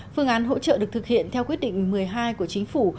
phương án hỗ trợ được thực hiện theo quyết định một mươi hai của chính phủ